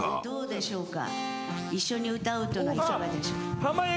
一緒に歌うというのはいかがでしょう。